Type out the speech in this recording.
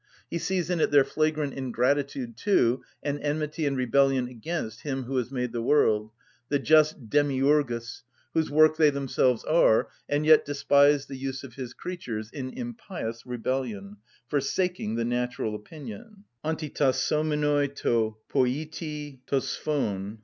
He sees in it their flagrant ingratitude to and enmity and rebellion against him who has made the world, the just demiurgus, whose work they themselves are, and yet despise the use of his creatures, in impious rebellion "forsaking the natural opinion" (αντιτασσομενοι τῳ ποιητῃ τῳ σφων, ...